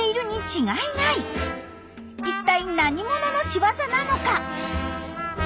一体何者の仕業なのか？